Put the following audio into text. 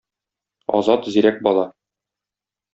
Азат зирәк бала.